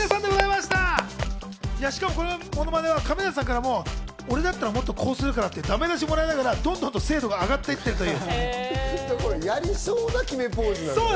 しかも、このマネは亀梨さんからも俺だったらもっとこうするからっていう、ダメ出しをもらいながら、どんどん精度が上がっていってるという。